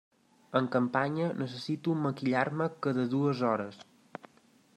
En campanya necessito maquillar-me cada dues hores.